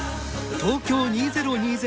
東京２０２０